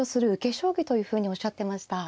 将棋というふうにおっしゃってました。